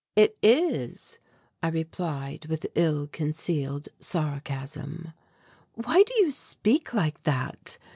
"It is," I replied with ill concealed sarcasm. "Why do you speak like that?"